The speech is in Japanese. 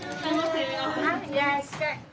いらっしゃい。